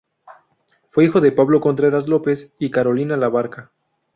Fue hijo de Pablo Contreras López y Carolina Labarca.